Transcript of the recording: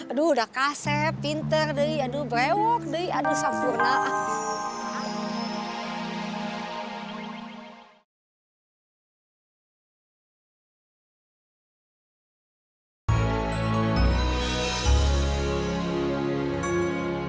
aduh udah kaseh pinter di aduh brewok di aduh sampurna